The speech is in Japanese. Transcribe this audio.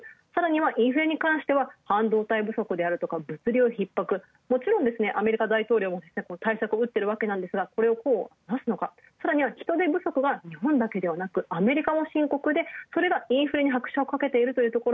インフレに関しては、半導体不足であるとか物量逼迫、もちろんアメリカ大統領も対策を打ってるわけですが、人手不足が日本だけでなく、アメリカも深刻で、それがインフレに拍車をかけている。